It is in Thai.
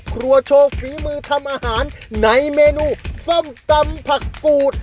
ครัวโชว์ฝีมือทำอาหารในเมนูส้มตำผักกูด